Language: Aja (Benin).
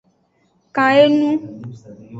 Kan enu.